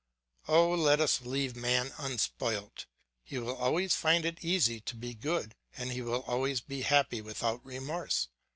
Oh, let us leave man unspoilt; he will always find it easy to be good and he will always be happy without remorse.